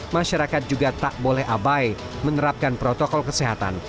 masyarakat juga tak boleh abai menerapkan protokol kesehatan